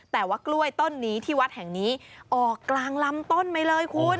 แต่ว่ากล้วยต้นนี้ที่วัดแห่งนี้ออกกลางลำต้นไปเลยคุณ